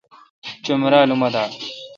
چو مرال اؙن ما دا۔